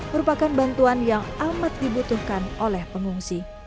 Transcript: merupakan bantuan yang amat dibutuhkan oleh pengungsi